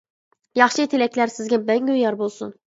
ياخشى تىلەكلەر سىزگە مەڭگۈ يار بولسۇن!